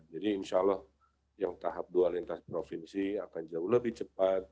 jadi insya allah yang tahap dua lintas provinsi akan jauh lebih cepat